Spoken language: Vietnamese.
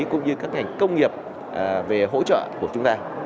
cũng như các ngành công nghiệp về hỗ trợ của chúng ta